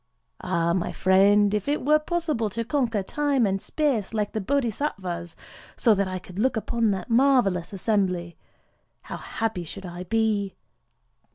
Ah, my friend! if it were possible to conquer Time and Space, like the Bodhisattvas, so that I could look upon that marvellous assembly, how happy should I be!"